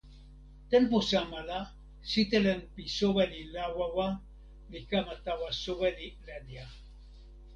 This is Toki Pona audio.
tenpo sama la, sitelen pi soweli Lawawa li kama tawa soweli Lenja.